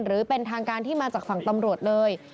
หรือเป็นทางการที่มาจากฝั่งตำรวจเลย